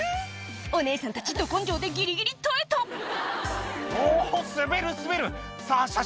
お姉さんたちど根性でギリギリ耐えた「お滑る滑るさぁ写真撮って」